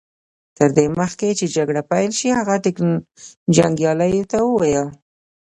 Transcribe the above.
تر دې مخکې چې جګړه پيل شي هغه جنګياليو ته وويل.